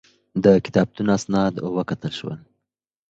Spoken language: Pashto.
د کتابتون اسناد وکتل شول.